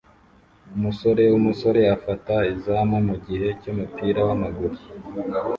Umusore wumusore afata izamu mugihe cyumupira wamaguru